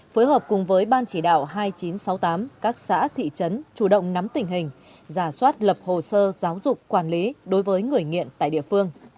phối hợp cùng với ban chỉ đạo hai nghìn chín trăm sáu mươi tám các xã thị trấn chủ động nắm tình hình giả soát lập hồ sơ giáo dục quản lý đối với người nghiện tại địa phương